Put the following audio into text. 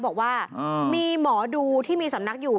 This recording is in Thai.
บอกว่ามีหมอดูที่มีสำนักอยู่